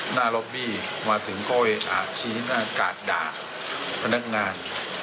หน้าล็อบบี้มาถึงก็อาบชี้หน้ากากด่าพนักงาน